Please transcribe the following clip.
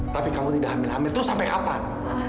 tapi kamu tidak hamil hamil itu sampai kapan